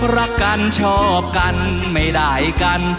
รักกันชอบกันไม่ได้กัน